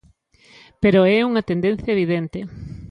Pero é unha tendencia evidente.